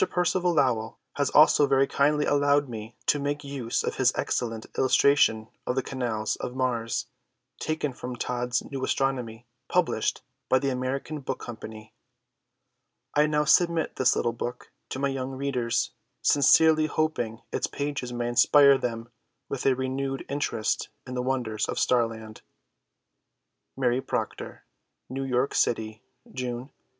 Percival Lowell has also very kindly allowed me to make use of his excellent illustration of the Canals of Mars, taken from Todd's "New Astronomy," published by the American Book Company. I now submit this little book to my young readers, sincerely hoping its pages may inspire them with a renewed interest in the wonders of Starland. Mary Proctor. New York City, June, 1898.